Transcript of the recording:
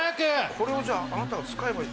これをあなたが使えばいい。